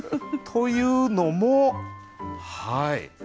というのもはい。